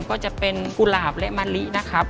ก็จะเป็นกุหลาบและมะลินะครับ